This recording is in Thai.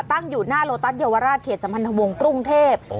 ตั้งอยู่หน้าโลตัสเยาวราชเขตสัมพันธวงศ์กรุงเทพ